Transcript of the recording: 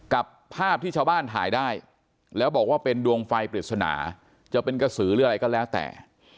กับภาพที่ชาวบ้านถ่ายได้แล้วบอกว่าเป็นดวงไฟปริศนาจะเป็นกระสือหรืออะไรก็แล้วแต่